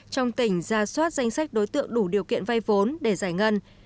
trong tỉnh ra soát danh sách đối tượng đủ điều kiện vay vốn để giải ngân